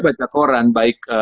baca koran baik